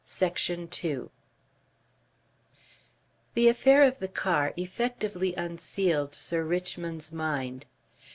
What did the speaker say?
Section 2 The affair of the car effectively unsealed Sir Richmond's mind.